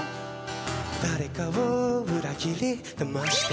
「誰かを裏切り騙して」